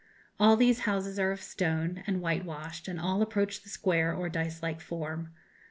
All these houses are of stone, and white washed, and all approach the square or dice like form.